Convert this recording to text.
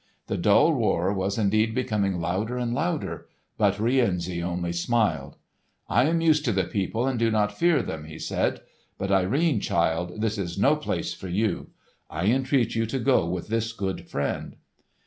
The dull roar was indeed becoming louder and louder; But Rienzi only smiled. "I am used to the people and do not fear them," he said. "But Irene, child, this is no place for you. I entreat you to go with this good friend."